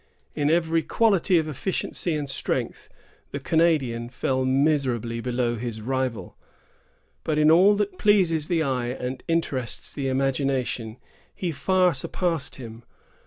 In every quality of efficiency and strength, the Canadian fell miserably below his rival; but in all that pleases the eye and interests the imagination, he far surpassed him.